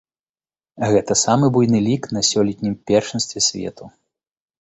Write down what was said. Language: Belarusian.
Гэта самы буйны лік на сёлетнім першынстве свету.